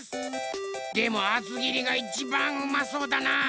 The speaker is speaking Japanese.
でもあつぎりがいちばんうまそうだな。